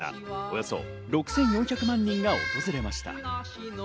国の内外から、およそ６４００万人が訪れました。